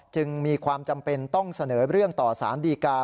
จึงมีความจำเป็นต้องเสนอเรื่องต่อสารดีกา